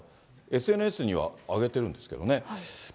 ＳＮＳには上げてるんですけどね。